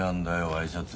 ワイシャツ。